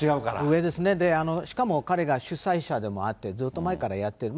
上ですね、しかも彼が主催者でもあって、ずっと前からやってる。